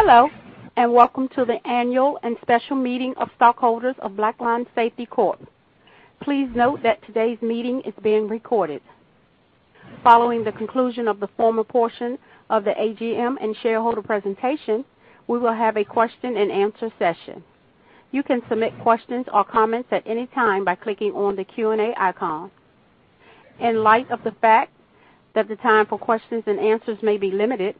Hello, and welcome to the Annual and Special Meeting of Stockholders of Blackline Safety Corp. Please note that today's meeting is being recorded. Following the conclusion of the formal portion of the AGM and shareholder presentation, we will have a question-and-answer session. You can submit questions or comments at any time by clicking on the Q&A icon. In light of the fact that the time for questions-and-answers may be limited,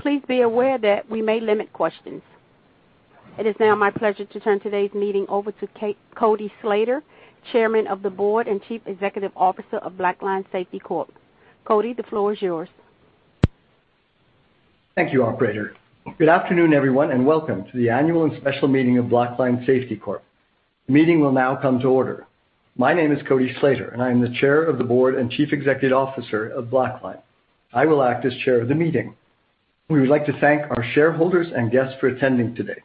please be aware that we may limit questions. It is now my pleasure to turn today's meeting over to Cody Slater, Chairman of the Board and Chief Executive Officer of Blackline Safety Corp. Cody, the floor is yours. Thank you, operator. Good afternoon, everyone, and welcome to the annual and special meeting of Blackline Safety Corp. The meeting will now come to order. My name is Cody Slater, and I am the Chair of the Board and Chief Executive Officer of Blackline. I will act as Chair of the meeting. We would like to thank our shareholders and guests for attending today.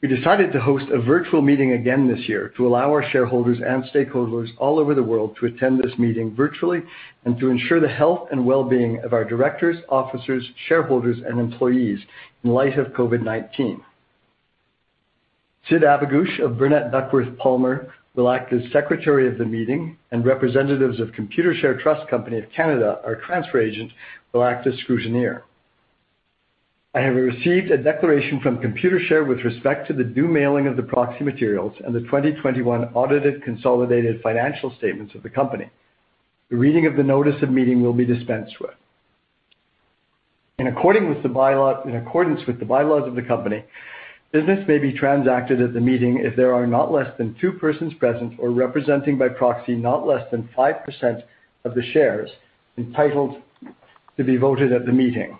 We decided to host a virtual meeting again this year to allow our shareholders and stakeholders all over the world to attend this meeting virtually and to ensure the health and well-being of our Directors, officers, shareholders, and employees in light of COVID-19. Syd Abougoush of Burnet, Duckworth & Palmer will act as Secretary of the meeting and representatives of Computershare Trust Company of Canada, our transfer agent, will act as scrutineer. I have received a declaration from Computershare with respect to the due mailing of the proxy materials and the 2021 audited consolidated financial statements of the company. The reading of the notice of meeting will be dispensed with. In accordance with the bylaws of the company, business may be transacted at the meeting if there are not less than two persons present or representing by proxy, not less than 5% of the shares entitled to be voted at the meeting.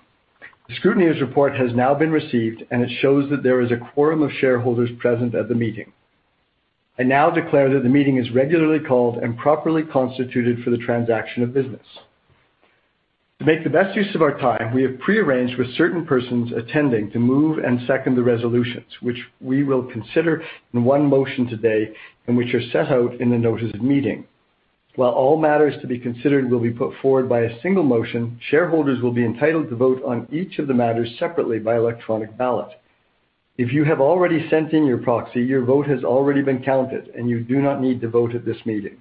The scrutineer's report has now been received, and it shows that there is a quorum of shareholders present at the meeting. I now declare that the meeting is regularly called and properly constituted for the transaction of business. To make the best use of our time, we have pre-arranged with certain persons attending to move and second the resolutions, which we will consider in one motion today and which are set out in the notice of meeting. While all matters to be considered will be put forward by a single motion, shareholders will be entitled to vote on each of the matters separately by electronic ballot. If you have already sent in your proxy, your vote has already been counted, and you do not need to vote at this meeting.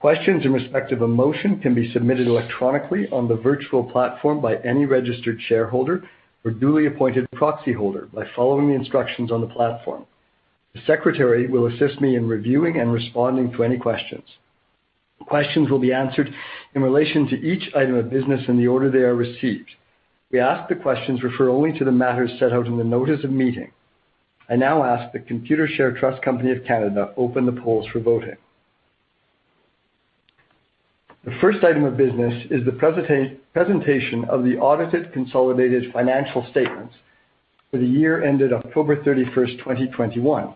Questions in respect of a motion can be submitted electronically on the virtual platform by any registered shareholder or duly appointed proxy holder by following the instructions on the platform. The Secretary will assist me in reviewing and responding to any questions. Questions will be answered in relation to each item of business in the order they are received. We ask the questions refer only to the matters set out in the notice of meeting. I now ask the Computershare Trust Company of Canada open the polls for voting. The first item of business is the presentation of the audited consolidated financial statements for the year ended October 31st, 2021.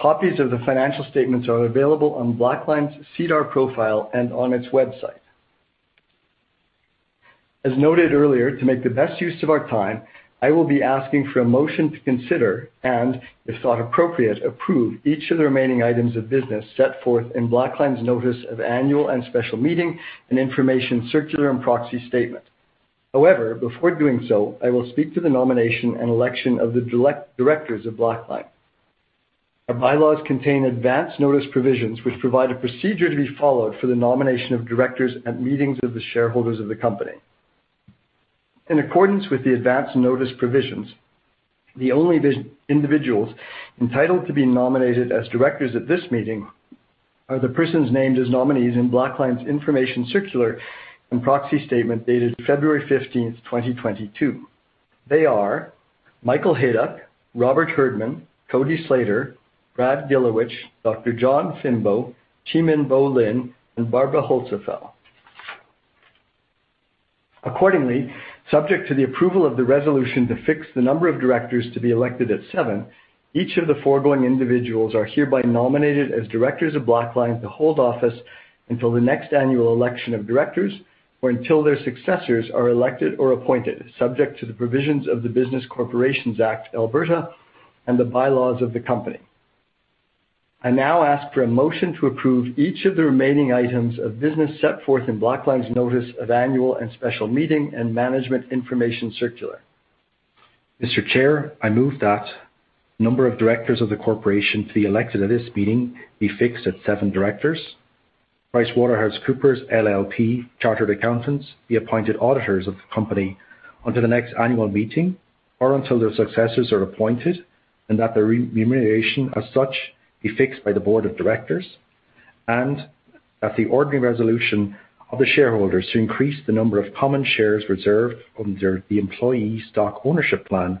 Copies of the financial statements are available on Blackline's SEDAR profile and on its website. As noted earlier, to make the best use of our time, I will be asking for a motion to consider and, if thought appropriate, approve each of the remaining items of business set forth in Blackline's notice of annual and special meeting and information circular and proxy statement. However, before doing so, I will speak to the nomination and Election of the Directors of Blackline. Our bylaws contain advance notice provisions, which provide a procedure to be followed for the nomination of directors at meetings of the shareholders of the company. In accordance with the advance notice provisions, the only individuals entitled to be nominated as Directors at this meeting are the persons named as nominees in Blackline's information circular and proxy statement dated February 15th, 2022. They are Michael Hayduk, Robert Herdman, Cody Slater, Brad Gilewich, Dr. John Finbow, Cheemin Bo-Linn, and Barbara Holzapfel. Accordingly, subject to the approval of the resolution to fix the number of Directors to be elected at seven, each of the foregoing individuals are hereby nominated as Directors of Blackline to hold office until the next Annual Election of Directors or until their successors are elected or appointed, subject to the provisions of the Business Corporations Act (Alberta) and the bylaws of the company. I now ask for a motion to approve each of the remaining items of business set forth in Blackline's notice of Annual and Special Meeting and Management Information Circular. Mr. Chair, I move that the number of directors of the corporation to be elected at this meeting be fixed at seven directors. PricewaterhouseCoopers LLP, Chartered Accountants, be appointed auditors of the company until the next annual meeting or until their successors are appointed and that the remuneration of such be fixed by the Board of Directors and that the ordinary resolution of the shareholders to increase the number of common shares reserved under the employee stock ownership plan,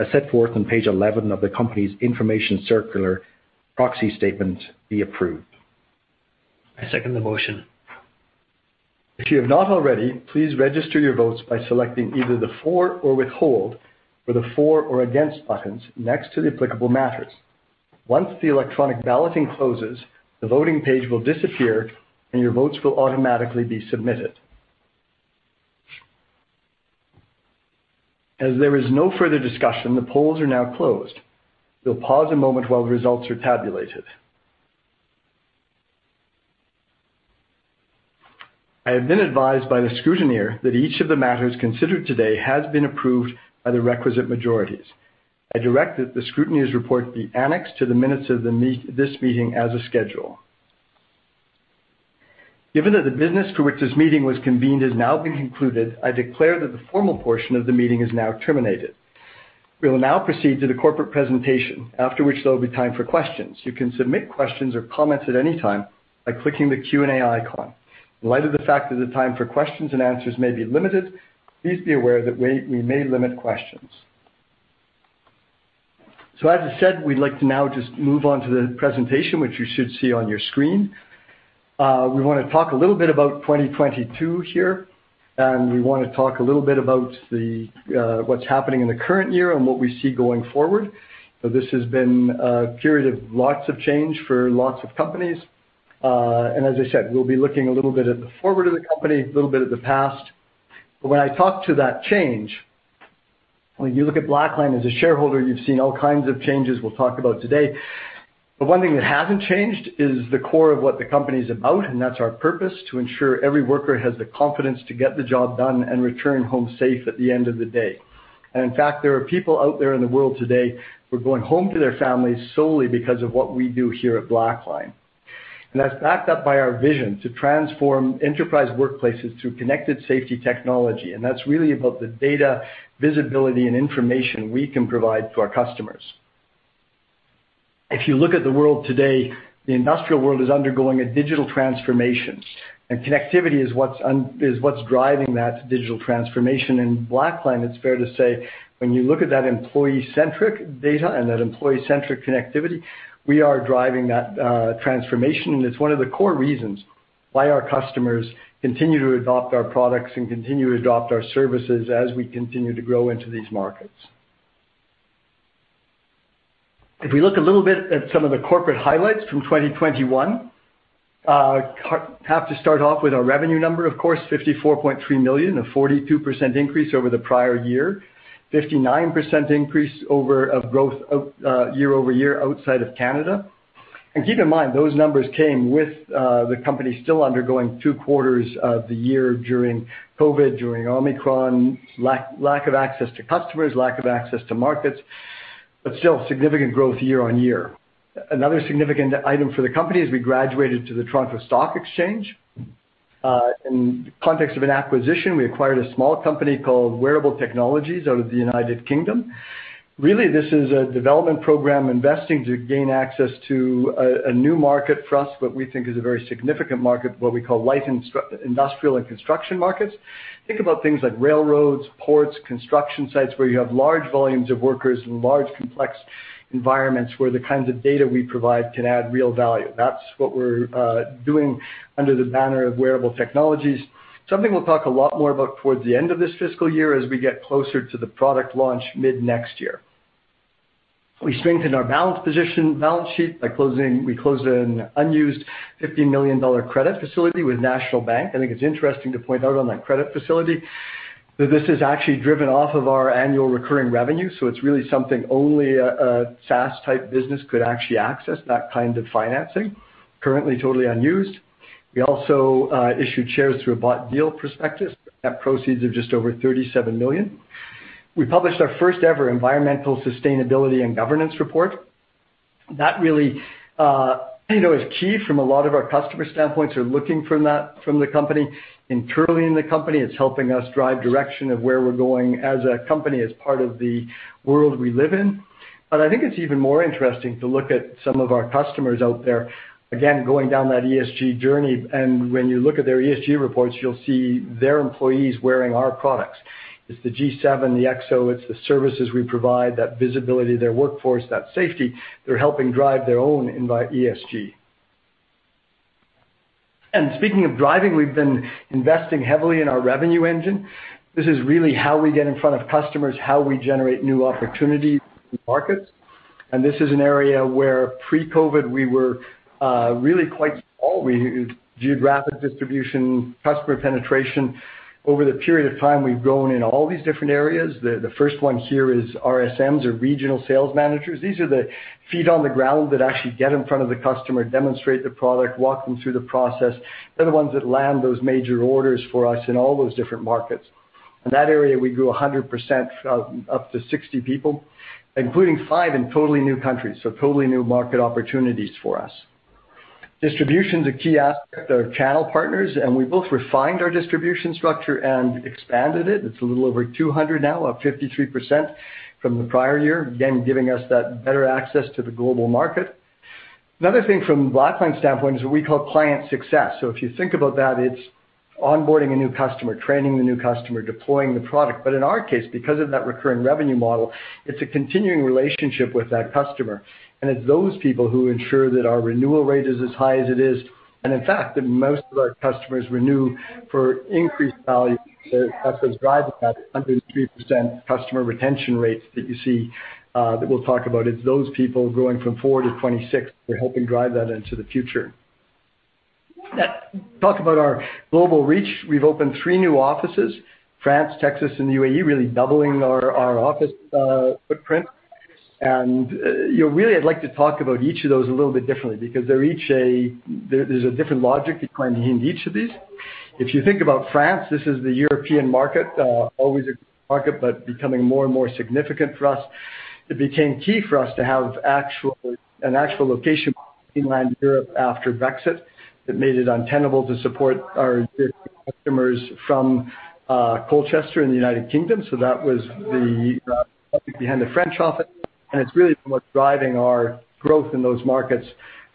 as set forth on Page 11 of the company's information circular proxy statement, be approved. I second the motion. If you have not already, please register your votes by selecting either the for or withhold or the for or against buttons next to the applicable matters. Once the electronic balloting closes, the voting page will disappear, and your votes will automatically be submitted. As there is no further discussion, the polls are now closed. We'll pause a moment while the results are tabulated. I have been advised by the scrutineer that each of the matters considered today has been approved by the requisite majorities. I direct that the scrutineer's report be annexed to the minutes of this meeting as a schedule. Given that the business to which this meeting was convened has now been concluded, I declare that the formal portion of the meeting is now terminated. We will now proceed to the corporate presentation, after which there will be time for questions. You can submit questions or comments at any time by clicking the Q&A icon. In light of the fact that the time for questions-and-answers may be limited, please be aware that we may limit questions. As I said, we'd like to now just move on to the presentation, which you should see on your screen. We wanna talk a little bit about 2022 here, and we wanna talk a little bit about the what's happening in the current year and what we see going forward. This has been a period of lots of change for lots of companies. As I said, we'll be looking a little bit at the forward of the company, a little bit at the past. When I talk about that change, when you look at Blackline as a shareholder, you've seen all kinds of changes we'll talk about today. One thing that hasn't changed is the core of what the company's about, and that's our purpose, to ensure every worker has the confidence to get the job done and return home safe at the end of the day. In fact, there are people out there in the world today who are going home to their families solely because of what we do here at Blackline. That's backed up by our vision to transform enterprise workplaces through connected safety technology, and that's really about the data, visibility, and information we can provide to our customers. If you look at the world today, the industrial world is undergoing a digital transformation, and connectivity is what's driving that digital transformation. In Blackline, it's fair to say, when you look at that employee-centric data and that employee-centric connectivity, we are driving that transformation. It's one of the core reasons why our customers continue to adopt our products and continue to adopt our services as we continue to grow into these markets. If we look a little bit at some of the corporate highlights from 2021, have to start off with our revenue number, of course, 54.3 million, a 42% increase over the prior year. 59% increase of growth year-over-year outside of Canada. Keep in mind, those numbers came with the company still undergoing two quarters of the year during COVID, during Omicron, lack of access to customers, lack of access to markets, still significant growth year-on-year. Another significant item for the company is we graduated to the Toronto Stock Exchange. In context of an acquisition, we acquired a small company called Wearable Technologies out of the United Kingdom. Really, this is a development program investing to gain access to a new market for us, what we think is a very significant market, what we call industrial and construction markets. Think about things like railroads, ports, construction sites, where you have large volumes of workers in large, complex environments where the kinds of data we provide can add real value. That's what we're doing under the banner of Wearable Technologies. Something we'll talk a lot more about towards the end of this fiscal year as we get closer to the product launch mid-next year. We strengthened our balance sheet by closing an unused 50 million dollar credit facility with National Bank. I think it's interesting to point out on that credit facility that this is actually driven off of our annual recurring revenue. It's really something only a SaaS-type business could actually access that kind of financing. Currently totally unused. We also issued shares through a bought deal prospectus. The proceeds of just over 37 million. We published our first ever environmental sustainability and governance report. That really, you know, is key from a lot of our customer standpoints who are looking for that from the company. Internally in the company, it's helping us drive direction of where we're going as a company, as part of the world we live in. I think it's even more interesting to look at some of our customers out there, again, going down that ESG journey. When you look at their ESG reports, you'll see their employees wearing our products. It's the G7, the EXO, it's the services we provide, that visibility, their workforce, that safety. They're helping drive their own ESG. Speaking of driving, we've been investing heavily in our revenue engine. This is really how we get in front of customers, how we generate new opportunities in markets. This is an area where pre-COVID, we were really quite small. Geographic distribution, customer penetration. Over the period of time, we've grown in all these different areas. The first one here is RSMs or regional sales managers. These are the feet on the ground that actually get in front of the customer, demonstrate the product, walk them through the process. They're the ones that land those major orders for us in all those different markets. In that area, we grew 100% up to 60 people, including five in totally new countries, so totally new market opportunities for us. Distribution's a key aspect. Our channel partners, and we both refined our distribution structure and expanded it. It's a little over 200 now, up 53% from the prior year, again, giving us that better access to the global market. Another thing from Blackline standpoint is what we call client success. If you think about that, it's onboarding a new customer, training the new customer, deploying the product. In our case, because of that recurring revenue model, it's a continuing relationship with that customer. It's those people who ensure that our renewal rate is as high as it is. In fact, most of our customers renew for increased value. That's what's driving that 103% customer retention rates that you see that we'll talk about. It's those people growing from 4-26 who are helping drive that into the future. Talk about our global reach. We've opened three new offices, France, Texas, and the UAE, really doubling our office footprint. You know, really I'd like to talk about each of those a little bit differently because there's a different logic behind each of these. If you think about France, this is the European market, always a market, but becoming more and more significant for us. It became key for us to have an actual location in Europe after Brexit that made it untenable to support our customers from Colchester in the United Kingdom. That was the logic behind the French office, and it's really what's driving our growth in those markets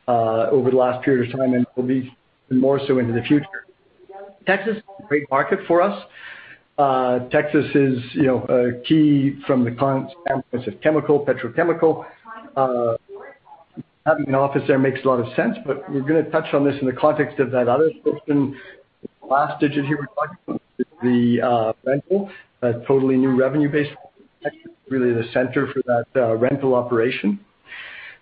over the last period of time, and will be even more so into the future. Texas, great market for us. Texas is, you know, key from the client's chemical, petrochemical. Having an office there makes a lot of sense, but we're gonna touch on this in the context of that other system. The last digit here, the rental, a totally new revenue base, really the center for that rental operation.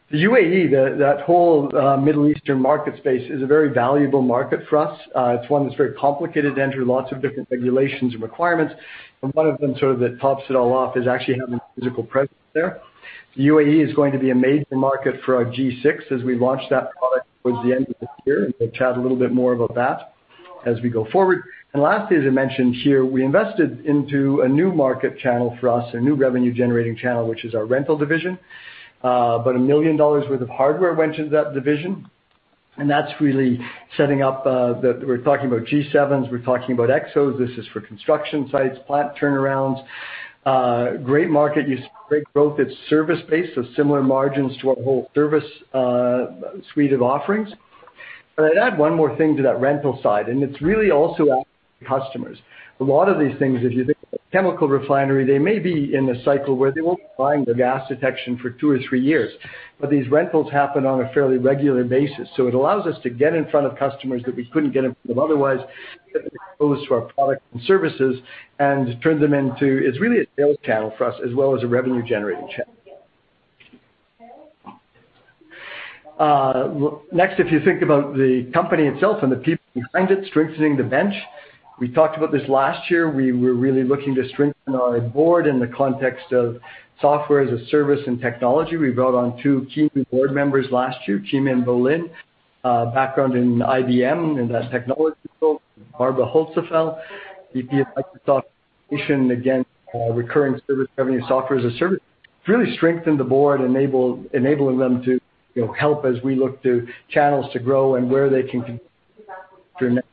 The UAE, that whole Middle Eastern market space is a very valuable market for us. It's one that's very complicated to enter, lots of different regulations and requirements, and one of them sort of that tops it all off is actually having a physical presence there. UAE is going to be a major market for our G6 as we launch that product towards the end of this year. We'll chat a little bit more about that as we go forward. Lastly, as I mentioned here, we invested into a new market channel for us, a new revenue-generating channel, which is our rental division. About 1 million dollars worth of hardware went into that division, and that's really setting up. We're talking about G7s, we're talking about EXOs. This is for construction sites, plant turnarounds. Great market, you see great growth. It's servicebased, so similar margins to our whole service suite of offerings. I'd add one more thing to that rental side, and it's really also our customers. A lot of these things, if you think about chemical refinery, they may be in a cycle where they won't be buying the gas detection for two or three years. These rentals happen on a fairly regular basis, so it allows us to get in front of customers that we couldn't get in front of otherwise, get them exposed to our products and services and turn them into. It's really a sales channel for us as well as a revenue-generating channel. Next, if you think about the company itself and the people behind it, strengthening the bench. We talked about this last year. We were really looking to strengthen our Board in the context of software as a service and technology. We brought on two key new board members last year, Cheemin Bo-Linn, background in IBM and that technology field. Barbara Holzapfel, VP at Microsoft. Again, recurring service revenue, software as a service. It's really strengthened the board enabling them to, you know, help as we look to channels to grow and where they can connect through next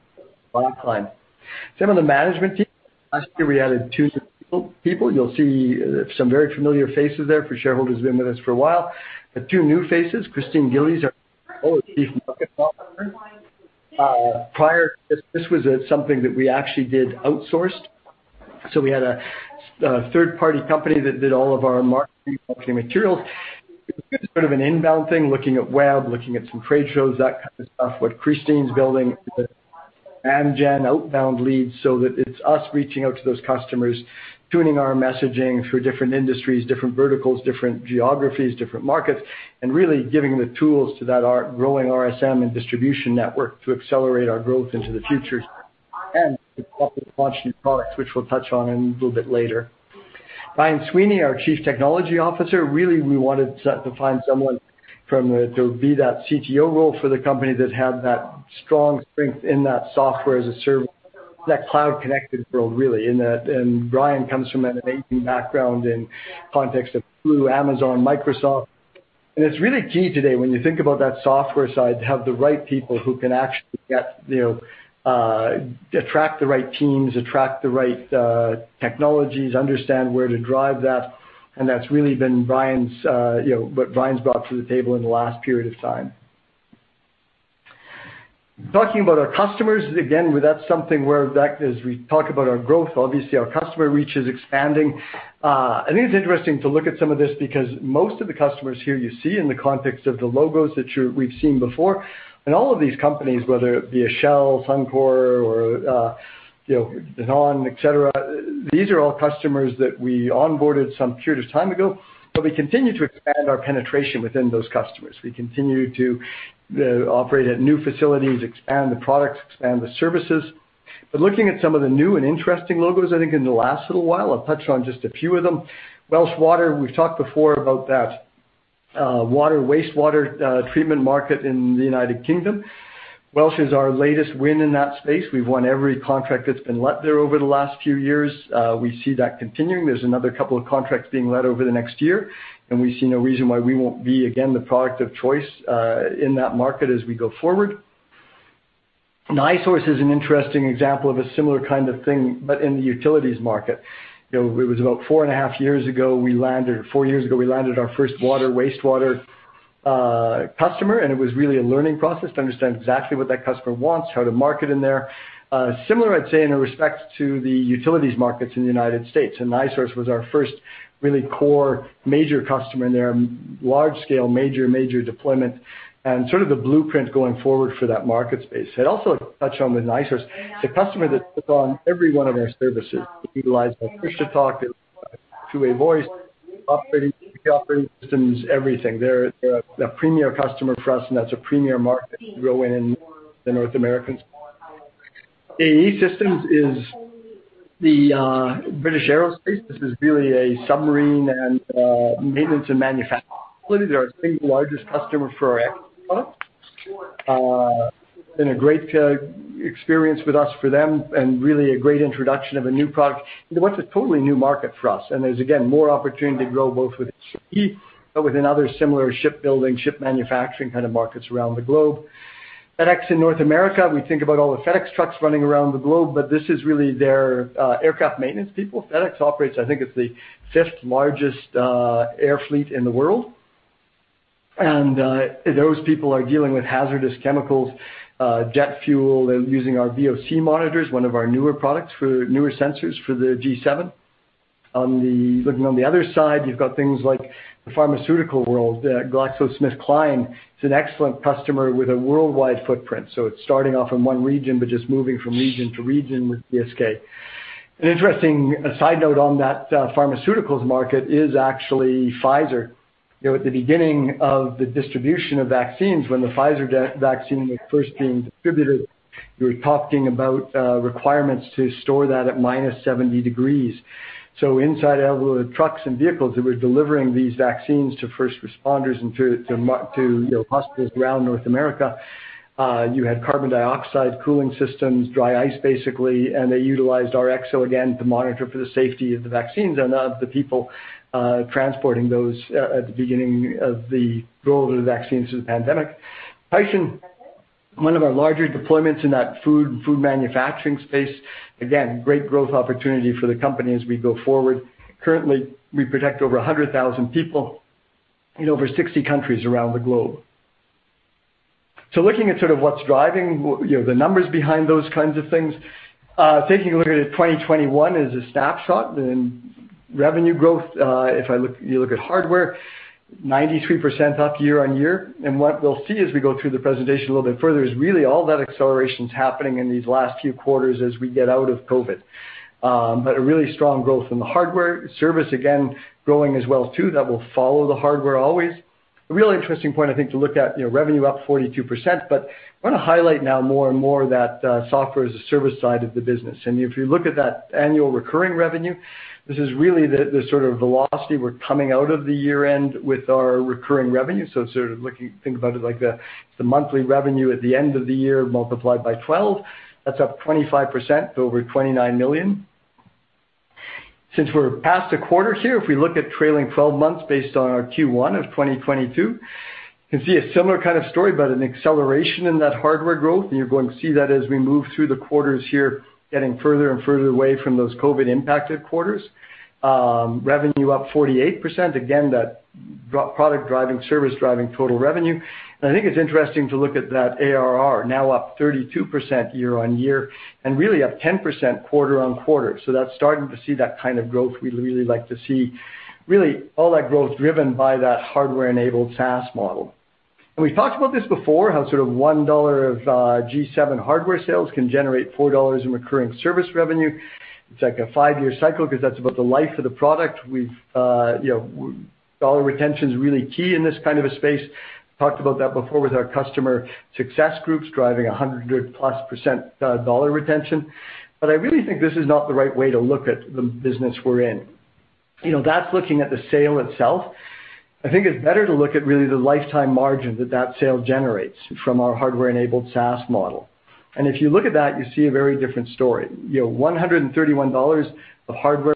timeline. Some of the management team, last year we added two new people. You'll see some very familiar faces there for shareholders who've been with us for a while. The two new faces, Christine Gillies, our Chief Marketing Officer. Prior to this was something that we actually outsourced. We had a third-party company that did all of our marketing materials, sort of an inbound thing, looking at web, looking at some trade shows, that kind of stuff. What Christine's building is an engine outbound leads, so that it's us reaching out to those customers, tuning our messaging through different industries, different verticals, different geographies, different markets, and really giving the tools to that, our growing RSM and distribution network to accelerate our growth into the future. To help us launch new products, which we'll touch on a little bit later. Brian Sweeney, our Chief Technology Officer. Really, we wanted to find someone to be that CTO role for the company that had that strong strength in that software as a service, that cloud-connected world, really. Brian comes from an amazing background in context of Glu, Amazon, Microsoft. It's really key today, when you think about that software side, to have the right people who can actually get, you know, attract the right teams, attract the right technologies, understand where to drive that. That's really been what Brian's brought to the table in the last period of time. Talking about our customers, again, that's something where, as we talk about our growth, obviously our customer reach is expanding. I think it's interesting to look at some of this because most of the customers here you see in the context of the logos that we've seen before. All of these companies, whether it be a Shell, Suncor or, you know, Danone, etc., these are all customers that we onboarded some period of time ago, but we continue to expand our penetration within those customers. We continue to operate at new facilities, expand the products, expand the services. Looking at some of the new and interesting logos, I think in the last little while, I'll touch on just a few of them. Welsh Water, we've talked before about that water, wastewater treatment market in the United Kingdom. Welsh is our latest win in that space. We've won every contract that's been let there over the last few years. We see that continuing. There's another couple of contracts being let over the next year, and we see no reason why we won't be again the product of choice in that market as we go forward. NiSource is an interesting example of a similar kind of thing, but in the utilities market. You know, it was about 4.5 years ago, we landed... Four years ago, we landed our first water, wastewater customer, and it was really a learning process to understand exactly what that customer wants, how to market in there. Similar, I'd say, in respect to the utilities markets in the United States. NiSource was our first really core major customer in there, large scale, major deployment and sort of the blueprint going forward for that market space. I'd also touch on with NiSource, it's a customer that's put on every one of our services. It utilized what keep talking, two-way voice, operating systems, everything. They're a premier customer for us, and that's a premier market to grow in the North American space. BAE Systems is the British Aerospace. This is really a submarine and maintenance and manufacturing. Really, they're our single largest customer for our products. It's been a great experience with us for them, and really a great introduction of a new product into what's a totally new market for us. There's, again, more opportunity to grow both with BAE, but with another similar shipbuilding, ship manufacturing kind of markets around the globe. FedEx in North America, we think about all the FedEx trucks running around the globe, but this is really their aircraft maintenance people. FedEx operates, I think it's the fifth-largest air fleet in the world. Those people are dealing with hazardous chemicals, jet fuel. They're using our VOC monitors, one of our newer products for newer sensors for the G7. Looking on the other side, you've got things like the pharmaceutical world. GlaxoSmithKline is an excellent customer with a worldwide footprint, so it's starting off in one region, but just moving from region to region with GSK. An interesting side note on that pharmaceuticals market is actually Pfizer. You know, at the beginning of the distribution of vaccines, when the Pfizer vaccine was first being distributed, we were talking about requirements to store that at minus 70 degrees. So inside our trucks and vehicles that were delivering these vaccines to first responders and to you know, hospitals around North America, you had carbon dioxide cooling systems, dry ice, basically, and they utilized our EXO again to monitor for the safety of the vaccines and of the people transporting those at the beginning of the rollout of the vaccines through the pandemic. Tyson, one of our larger deployments in that food manufacturing space. Again, great growth opportunity for the company as we go forward. Currently, we protect over 100,000 people in over 60 countries around the globe. Looking at sort of what's driving, you know, the numbers behind those kinds of things. Taking a look at it, 2021 is a snapshot in revenue growth. If you look at hardware, 93% up year-over-year. What we'll see as we go through the presentation a little bit further is really all that acceleration's happening in these last few quarters as we get out of COVID. But a really strong growth in the hardware. Service, again, growing as well too. That will follow the hardware always. A really interesting point, I think, to look at, you know, revenue up 42%, but I want to highlight now more and more that, software as a service side of the business. If you look at that annual recurring revenue, this is really the sort of velocity we're coming out of the year-end with our recurring revenue. Think about it like the monthly revenue at the end of the year multiplied by 12. That's up 25%, over 29 million. Since we're past a quarter here, if we look at trailing twelve months based on our Q1 of 2022, you can see a similar kind of story, but an acceleration in that hardware growth. You're going to see that as we move through the quarters here, getting further and further away from those COVID-impacted quarters. Revenue up 48%. Again, that product driving, service driving total revenue. I think it's interesting to look at that ARR, now up 32% year-on-year, and really up 10% quarter-on-quarter. That's starting to see that kind of growth we'd really like to see, really all that growth driven by that hardware-enabled SaaS model. We've talked about this before, how sort of 1 dollar of G7 hardware sales can generate 4 dollars in recurring service revenue. It's like a five-year cycle 'cause that's about the life of the product. We've, you know, dollar retention is really key in this kind of a space. Talked about that before with our customer success groups driving 100%+ dollar retention. I really think this is not the right way to look at the business we're in. You know, that's looking at the sale itself. I think it's better to look at really the lifetime margin that that sale generates from our hardware-enabled SaaS model. If you look at that, you see a very different story. You know, 131 dollars of hardware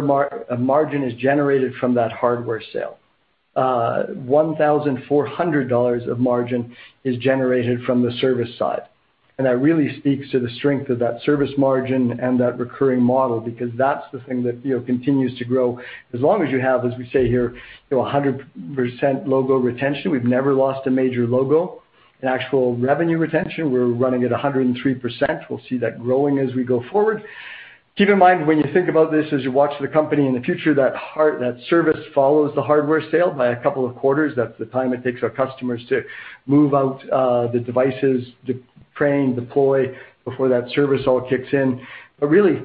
margin is generated from that hardware sale. 1,400 dollars of margin is generated from the service side. That really speaks to the strength of that service margin and that recurring model because that's the thing that, you know, continues to grow as long as you have, as we say here, you know, 100% logo retention. We've never lost a major logo. In actual revenue retention, we're running at 103%. We'll see that growing as we go forward. Keep in mind when you think about this as you watch the company in the future, that service follows the hardware sale by a couple of quarters. That's the time it takes our customers to move out the devices, retrain, deploy before that service all kicks in. But really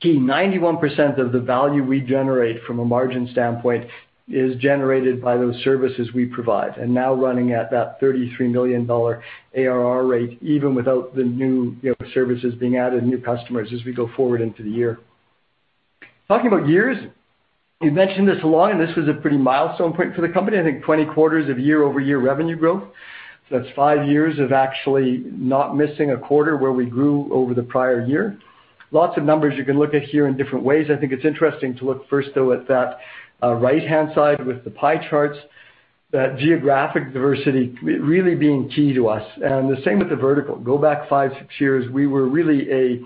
key, 91% of the value we generate from a margin standpoint is generated by those services we provide. Now running at that 33 million dollar ARR rate, even without the new, you know, services being added, new customers as we go forward into the year. Talking about years, we've mentioned this a lot, and this was a pretty milestone point for the company. I think 20 quarters of year-over-year revenue growth. That's five years of actually not missing a quarter where we grew over the prior year. Lots of numbers you can look at here in different ways. I think it's interesting to look first, though, at that right-hand side with the pie charts. That geographic diversity really being key to us, and the same with the vertical. Go back five, six years, we were really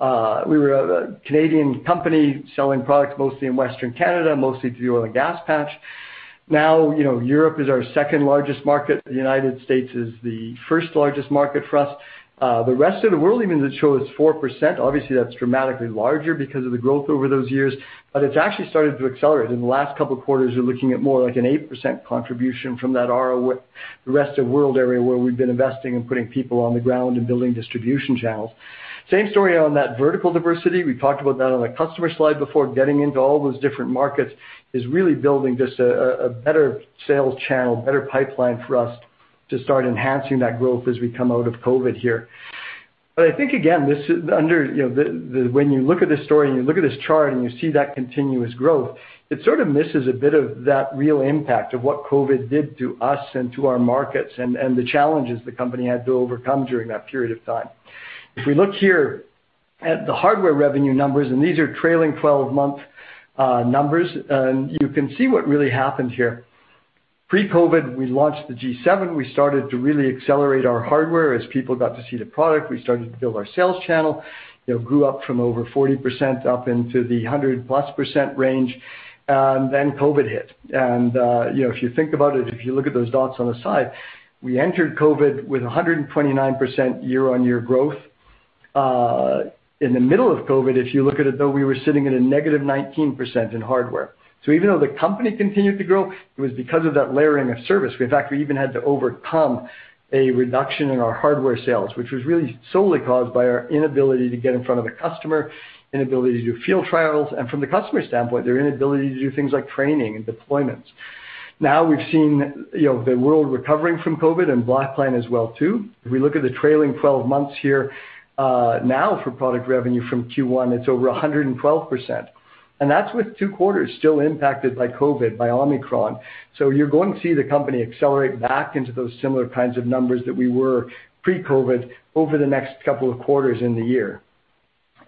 a Canadian company selling products mostly in Western Canada, mostly to the oil and gas patch. Now, you know, Europe is our second-largest market. The United States is the first largest market for us. The rest of the world even that shows as 4%, obviously that's dramatically larger because of the growth over those years, but it's actually started to accelerate. In the last couple of quarters, you're looking at more like an 8% contribution from that rest of world area where we've been investing and putting people on the ground and building distribution channels. Same story on that vertical diversity. We talked about that on the customer slide before. Getting into all those different markets is really building just a better sales channel, better pipeline for us to start enhancing that growth as we come out of COVID here. I think, again, this is under, you know, When you look at this story and you look at this chart and you see that continuous growth, it sort of misses a bit of that real impact of what COVID did to us and to our markets and the challenges the company had to overcome during that period of time. If we look here at the hardware revenue numbers, and these are trailing 12-month numbers, and you can see what really happened here. Pre-COVID, we launched the G7. We started to really accelerate our hardware. As people got to see the product, we started to build our sales channel. You know, grew up from over 40% up into the 100%+ range, and then COVID hit. You know, if you think about it, if you look at those dots on the side, we entered COVID with 129% year-on-year growth. In the middle of COVID, if you look at it, though, we were sitting at -19% in hardware. Even though the company continued to grow, it was because of that layering of service. In fact, we even had to overcome a reduction in our hardware sales, which was really solely caused by our inability to get in front of a customer, inability to do field trials, and from the customer standpoint, their inability to do things like training and deployments. Now we've seen, you know, the world recovering from COVID and Blackline as well too. If we look at the trailing twelve months here, now for product revenue from Q1, it's over 112%. That's with two quarters still impacted by COVID, by Omicron. You're going to see the company accelerate back into those similar kinds of numbers that we were pre-COVID over the next couple of quarters in the year.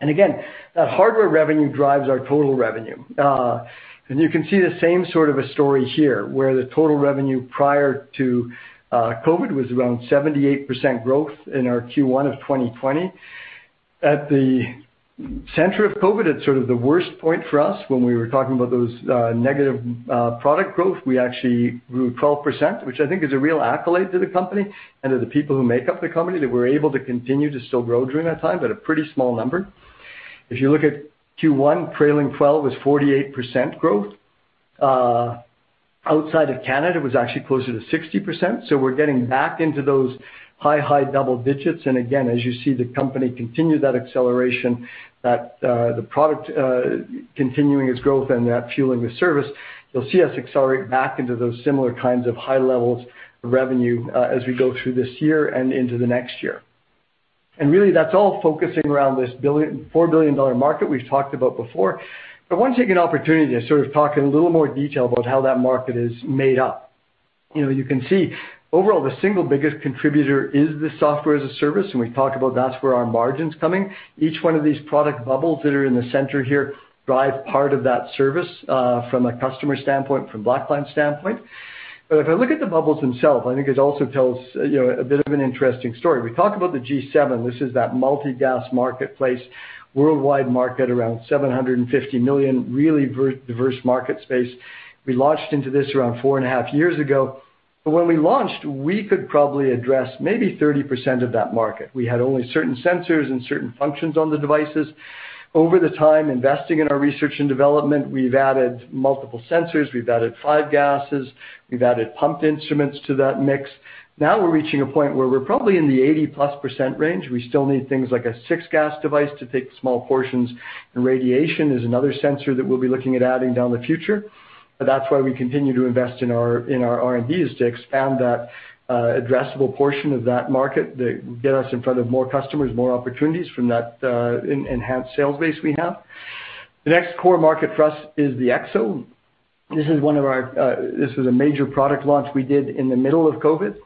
Again, that hardware revenue drives our total revenue. You can see the same sort of a story here, where the total revenue prior to COVID was around 78% growth in our Q1 of 2020. At the center of COVID, at sort of the worst point for us when we were talking about those negative product growth, we actually grew 12%, which I think is a real accolade to the company and to the people who make up the company, that we're able to continue to still grow during that time at a pretty small number. If you look at Q1, trailing twelve was 48% growth. Outside of Canada, it was actually closer to 60%. We're getting back into those high, high double-digits. Again, as you see the company continue that acceleration, that the product continuing its growth and that fueling the service, you'll see us accelerate back into those similar kinds of high levels of revenue, as we go through this year and into the next year. Really, that's all focusing around this 4 billion dollar market we've talked about before. I want to take an opportunity to sort of talk in a little more detail about how that market is made up. You know, you can see overall the single biggest contributor is the software as a service, and we talked about that's where our margin's coming. Each one of these product bubbles that are in the center here drive part of that service, from a customer standpoint, from Blackline standpoint. If I look at the bubbles themselves, I think it also tells, you know, a bit of an interesting story. We talk about the G7. This is that multi gas marketplace, worldwide market, 750 million, really very diverse market space. We launched into this around four and a half years ago. When we launched, we could probably address maybe 30% of that market. We had only certain sensors and certain functions on the devices. Over the time, investing in our research and development, we've added multiple sensors, we've added five gases, we've added pumped instruments to that mix. Now we're reaching a point where we're probably in the 80%+ range. We still need things like a six gas device to take small portions, and radiation is another sensor that we'll be looking at adding in the future. That's why we continue to invest in our R&D, is to expand that addressable portion of that market that gets us in front of more customers, more opportunities from that enhanced sales base we have. The next core market for us is the EXO. This was a major product launch we did in the middle of COVID.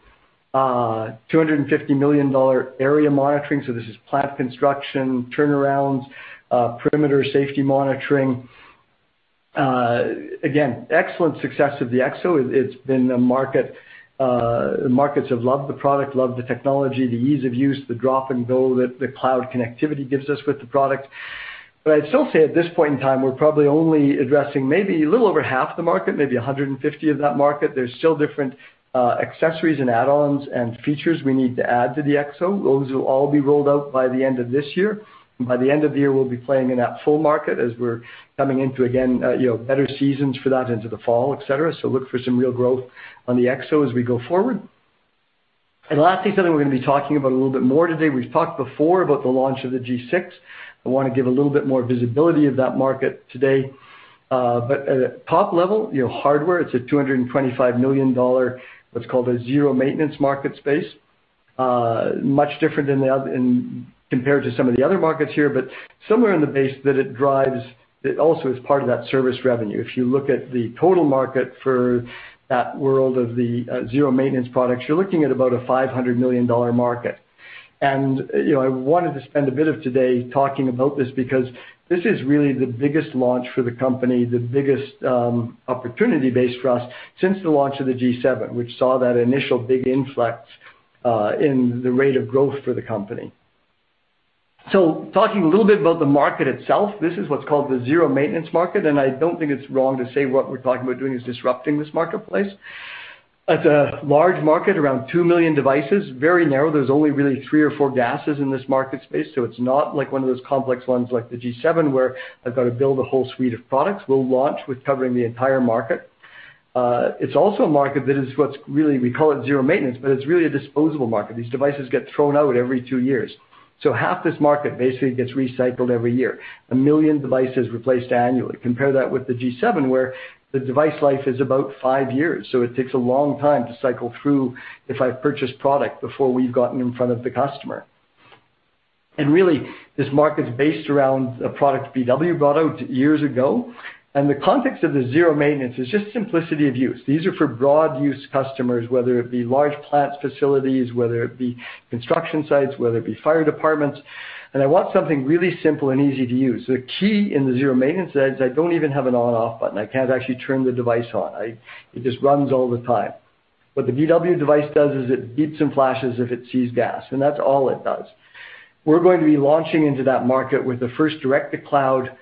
250 million dollar area monitoring. This is plant construction, turnarounds, perimeter safety monitoring. Again, excellent success of the EXO. Markets have loved the product, loved the technology, the ease of use, the drop and go that the cloud connectivity gives us with the product. I'd still say at this point in time, we're probably only addressing maybe a little over half the market, maybe 150 of that market. There's still different, accessories and add-ons and features we need to add to the EXO. Those will all be rolled out by the end of this year. By the end of the year, we'll be playing in that full market as we're coming into, again, better seasons for that into the fall, et cetera. Look for some real growth on the EXO as we go forward. The last thing I said we're gonna be talking about a little bit more today. We've talked before about the launch of the G6. I wanna give a little bit more visibility of that market today. At a top level, you know, hardware, it's a 225 million dollar, what's called a zero maintenance market space. Much different than the other, as compared to some of the other markets here, but somewhere in the base that it drives, it also is part of that service revenue. If you look at the total market for that world of the zero maintenance products, you're looking at about a 500 million dollar market. You know, I wanted to spend a bit of time today talking about this because this is really the biggest launch for the company, the biggest opportunity base for us since the launch of the G7, which saw that initial big influx in the rate of growth for the company. Talking a little bit about the market itself, this is what's called the zero maintenance market, and I don't think it's wrong to say what we're talking about doing is disrupting this marketplace. It's a large market, around 2 million devices, very narrow. There's only really three or four gases in this market space, so it's not like one of those complex ones like the G7, where I've got to build a whole suite of products. We'll launch with covering the entire market. It's also a market that is what's really we call it zero maintenance, but it's really a disposable market. These devices get thrown out every two years. Half this market basically gets recycled every year. 1 million devices replaced annually. Compare that with the G7, where the device life is about five years, so it takes a long time to cycle through if I purchase product before we've gotten in front of the customer. Really, this market is based around a product BW brought out years ago, and the context of the zero maintenance is just simplicity of use. These are for broad use customers, whether it be large plants, facilities, whether it be construction sites, whether it be fire departments, and I want something really simple and easy to use. The key in the zero maintenance is I don't even have an on/off button. I can't actually turn the device on. It just runs all the time. What the BW device does is it beeps and flashes if it sees gas, and that's all it does. We're going to be launching into that market with the first direct-to-cloud,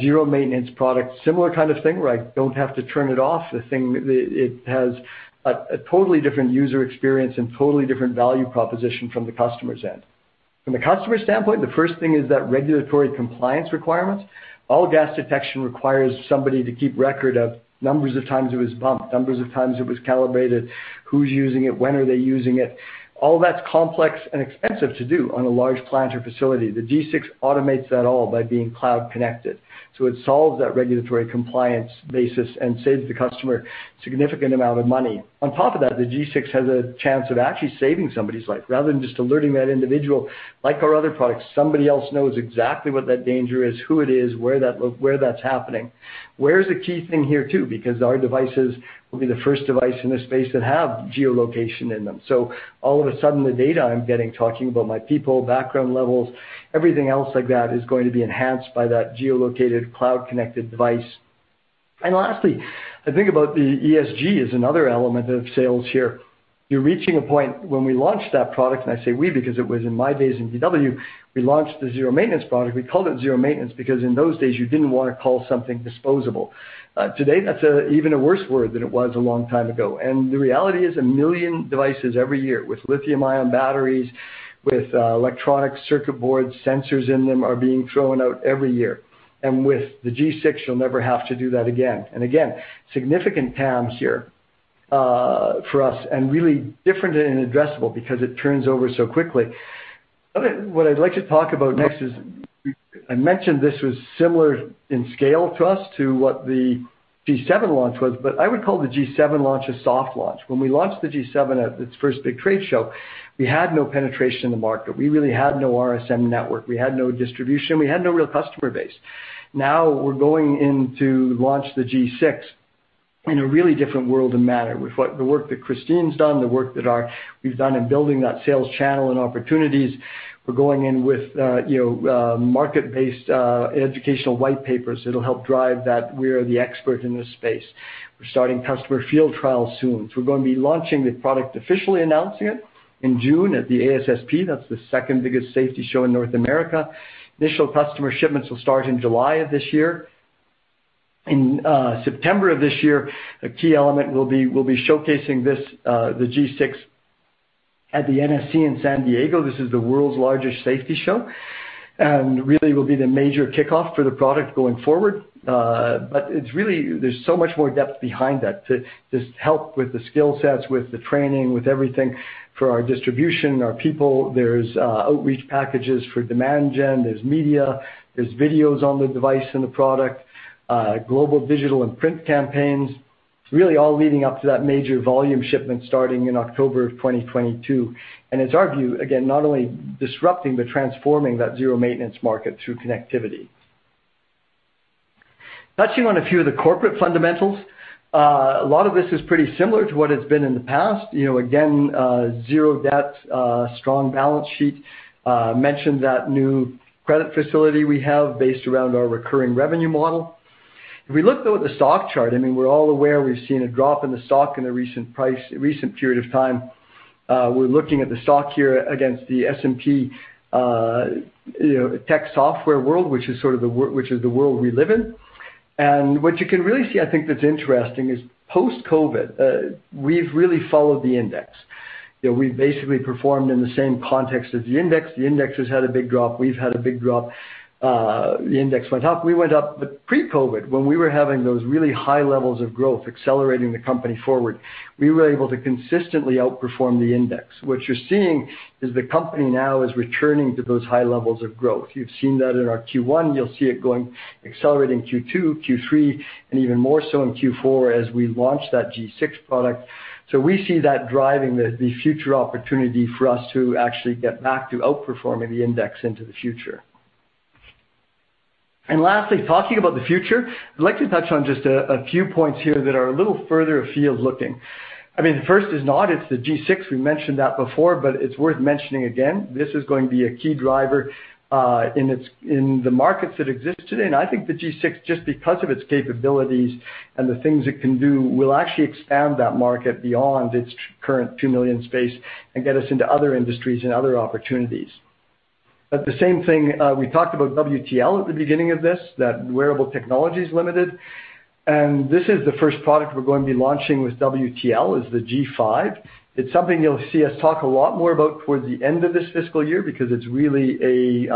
zero maintenance product, similar kind of thing, where I don't have to turn it off. It has a totally different user experience and totally different value proposition from the customer's end. From the customer's standpoint, the first thing is that regulatory compliance requirements. All gas detection requires somebody to keep record of numbers of times it was pumped, numbers of times it was calibrated, who's using it, when are they using it. All that's complex and expensive to do on a large plant or facility. The G6 automates that all by being cloud-connected. It solves that regulatory compliance basis and saves the customer significant amount of money. On top of that, the G6 has a chance of actually saving somebody's life. Rather than just alerting that individual, like our other products, somebody else knows exactly what that danger is, who it is, where that's happening. Where is a key thing here too, because our devices will be the first device in this space that have geolocation in them. All of a sudden, the data I'm getting, talking about my people, background levels, everything else like that, is going to be enhanced by that geolocated cloud-connected device. Lastly, I think about the ESG as another element of sales here. You're reaching a point when we launched that product, and I say we because it was in my days in BW, we launched the zero maintenance product. We called it zero maintenance because in those days you didn't wanna call something disposable. Today, that's an even a worse word than it was a long time ago. The reality is, 1 million devices every year with lithium-ion batteries, with electronic circuit board sensors in them, are being thrown out every year. With the G6, you'll never have to do that again. Again, significant TAM here for us and really different and addressable because it turns over so quickly. Okay, what I'd like to talk about next is I mentioned this was similar in scale to what the G7 launch was, but I would call the G7 launch a soft launch. When we launched the G7 at its first big trade show, we had no penetration in the market. We really had no RSM network. We had no distribution. We had no real customer base. Now we're going into launch the G6 in a really different world and manner with the work that Christine's done, the work that we've done in building that sales channel and opportunities. We're going in with you know market-based educational white papers that'll help drive that we're the expert in this space. We're starting customer field trials soon. We're gonna be launching the product, officially announcing it in June at the ASSP. That's the second biggest safety show in North America. Initial customer shipments will start in July of this year. In September of this year, a key element will be we'll be showcasing the G6 at the NSC in San Diego. This is the world's largest safety show, and really will be the major kickoff for the product going forward. There's so much more depth behind that to just help with the skill sets, with the training, with everything. For our distribution, our people, there's outreach packages for demand gen, there's media, there's videos on the device and the product, global digital and print campaigns, really all leading up to that major volume shipment starting in October 2022. It's our view, again, not only disrupting but transforming that zero maintenance market through connectivity. Touching on a few of the corporate fundamentals, a lot of this is pretty similar to what it's been in the past. You know, again, zero debt, strong balance sheet, mentioned that new credit facility we have based around our recurring revenue model. If we look, though, at the stock chart, I mean, we're all aware we've seen a drop in the stock in the recent period of time. We're looking at the stock here against the S&P, you know, tech software world, which is the world we live in. What you can really see, I think that's interesting is post-COVID, we've really followed the index. You know, we've basically performed in the same context as the index. The index has had a big drop. We've had a big drop. The index went up, we went up. Pre-COVID, when we were having those really high levels of growth, accelerating the company forward, we were able to consistently outperform the index. What you're seeing is the company now is returning to those high levels of growth. You've seen that in our Q1, you'll see it going, accelerating Q2, Q3, and even more so in Q4 as we launch that G6 product. We see that driving the future opportunity for us to actually get back to outperforming the index into the future. Lastly, talking about the future, I'd like to touch on just a few points here that are a little further afield looking. I mean, the first is, it's the G6, we mentioned that before, but it's worth mentioning again. This is going to be a key driver in the markets that exist today. I think the G6, just because of its capabilities and the things it can do, will actually expand that market beyond its current 2 million space and get us into other industries and other opportunities. The same thing, we talked about WTL at the beginning of this, that Wearable Technologies Limited, and this is the first product we're going to be launching with WTL, is the G5. It's something you'll see us talk a lot more about towards the end of this fiscal year because it's really a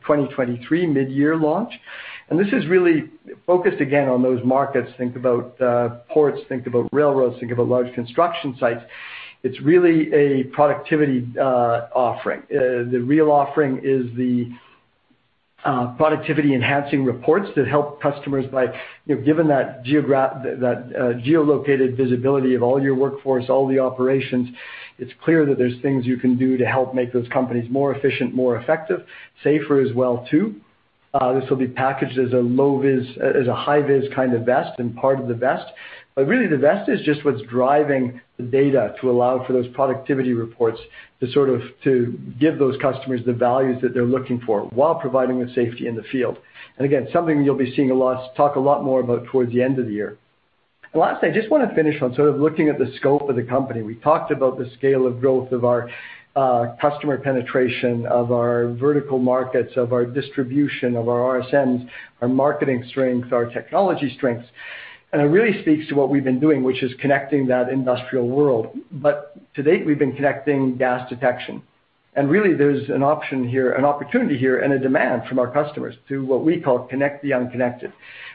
2023 mid-year launch. This is really focused again on those markets, think about ports, think about railroads, think about large construction sites. It's really a productivity offering. The real offering is the productivity enhancing reports that help customers by, you know, given that geolocated visibility of all your workforce, all the operations, it's clear that there's things you can do to help make those companies more efficient, more effective, safer as well too. This will be packaged as a high vis kind of vest and part of the vest. Really the vest is just what's driving the data to allow for those productivity reports to give those customers the values that they're looking for while providing the safety in the field. Again, something you'll talk a lot more about towards the end of the year. Last thing, I just wanna finish on sort of looking at the scope of the company. We talked about the scale of growth of our customer penetration, of our vertical markets, of our distribution, of our RSMs, our marketing strengths, our technology strengths. It really speaks to what we've been doing, which is connecting that industrial world. To date, we've been connecting gas detection. Really there's an option here, an opportunity here, and a demand from our customers to what we call connect the unconnected.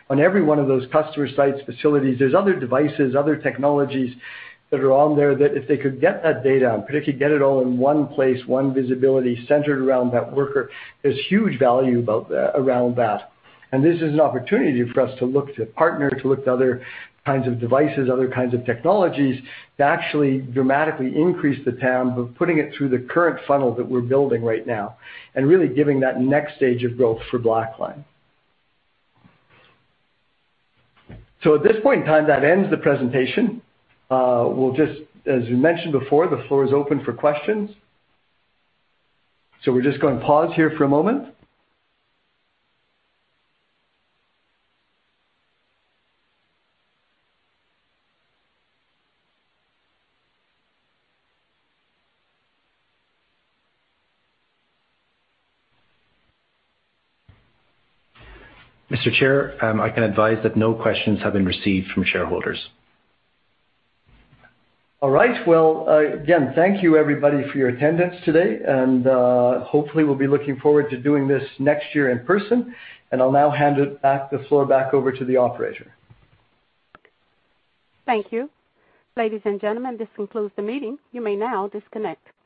On every one of those customer sites, facilities, there's other devices, other technologies that are on there that if they could get that data and particularly get it all in one place, one visibility centered around that worker, there's huge value about that, around that. This is an opportunity for us to look to partner, to look to other kinds of devices, other kinds of technologies to actually dramatically increase the TAM, but putting it through the current funnel that we're building right now and really giving that next stage of growth for Blackline. At this point in time, that ends the presentation. As we mentioned before, the floor is open for questions. We're just gonna pause here for a moment. Mr. Chair, I can advise that no questions have been received from shareholders. All right. Well, again, thank you everybody for your attendance today, and hopefully we'll be looking forward to doing this next year in person. I'll now hand the floor back over to the operator. Thank you. Ladies and gentlemen, this concludes the meeting. You may now disconnect.